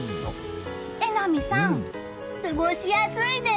榎並さん、過ごしやすいです。